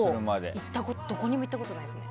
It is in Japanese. ほぼ、どこにも行ったことないですね。